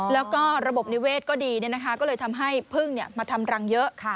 แล้วก็ระบบนิเวศก็ดีก็เลยทำให้พึ่งมาทำรังเยอะ